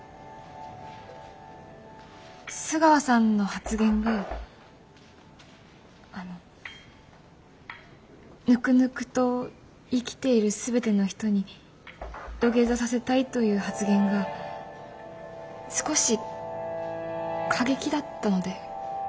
須川さんの発言にあのぬくぬくと生きている全ての人に土下座させたいという発言が少し過激だったので。